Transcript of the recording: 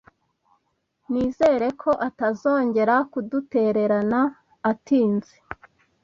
Nizere ko atazongera kudutererana atinze.